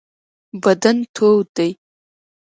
بدن تود دی.